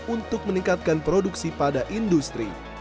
untuk meningkatkan produksi pada industri